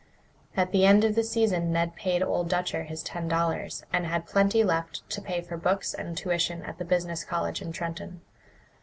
At the end of the season Ned paid Old Dutcher his ten dollars, and had plenty left to pay for books and tuition at the business college in Trenton.